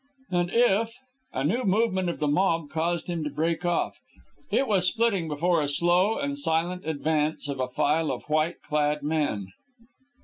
"And if " A new movement of the mob caused him to break off. It was splitting before a slow and silent advance of a file of white clad men.